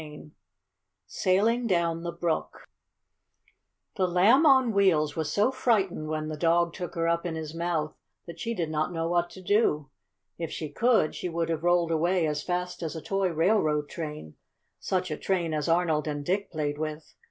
CHAPTER VIII SAILING DOWN THE BROOK The Lamb on Wheels was so frightened when the dog took her up in his mouth that she did not know what to do. If she could, she would have rolled away as fast as a toy railroad train, such a train as Arnold and Dick played with.